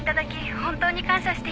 本当に感謝しています。